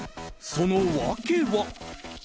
その訳は。